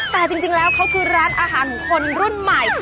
แต่จริงแล้วเขาคือร้านอาหารของคนรุ่นใหม่